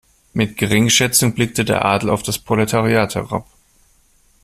Mit Geringschätzung blickte der Adel auf das Proletariat herab.